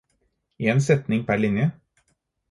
En setning per linje